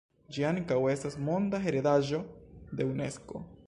Ĝi ankaŭ estas Monda heredaĵo de Unesko.